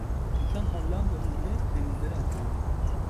Uçan Hollandalı ile denizlere açılır.